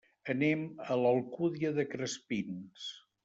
Anem a l'Alcúdia de Crespins.